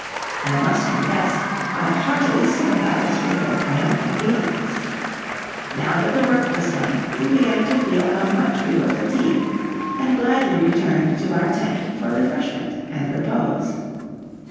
I must confess I heartily sympathized with their triumphant feelings. Now that the work was done, we began to feel how much we were fatigued, and gladly returned to our tent for refreshment and repose.